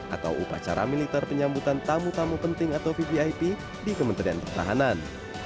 atau upacara militer penyambutan tamu tamu penting atau vvip di kementerian pertahanan